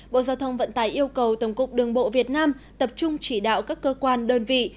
bộ giao thông vận tải yêu cầu tổng cục đường bộ việt nam tập trung chỉ đạo các cơ quan đơn vị